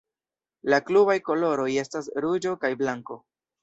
La klubaj koloroj estas ruĝo kaj blanko.